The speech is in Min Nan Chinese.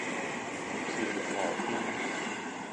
新廍邊